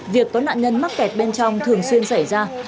việc bên trong thường xuyên xảy ra